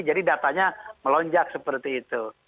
jadi datanya melonjak seperti itu